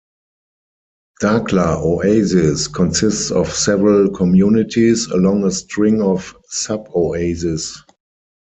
Dakhla Oasis consists of several communities, along a string of sub-oases.